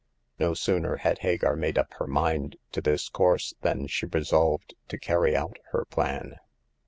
No sooner had Hagar made up her mind to this course than she resolved to carry out her plan.